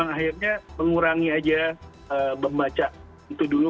akhirnya mengurangi aja membaca itu dulu